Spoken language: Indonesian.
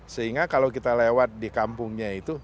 sehingga kalau kita lewat di kampungnya itu